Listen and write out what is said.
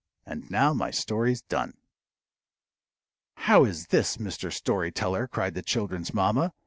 And now my story's done. "How is this, Mr. Story Teller?" cried the children's mamma.